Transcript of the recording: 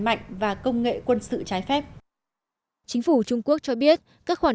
mạnh và công nghệ quân sự trái phép chính phủ trung quốc cho biết các khoản